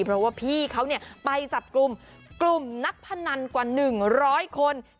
เพราะว่าพี่เขาไปจับกลุ่มกลุ่มนักพนันกว่า๑๐๐คน